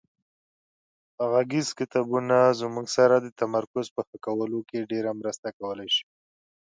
غږیز کتابونه زموږ سره د تمرکز په ښه کولو کې ډېره مرسته کولای شي.